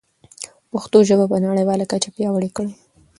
پښتو ژبه په نړیواله کچه پیاوړې کړئ.